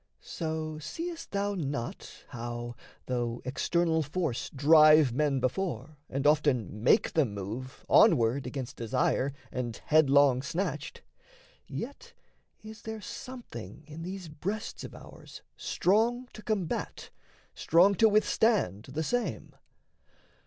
So seest thou not, how, though external force Drive men before, and often make them move, Onward against desire, and headlong snatched, Yet is there something in these breasts of ours Strong to combat, strong to withstand the same?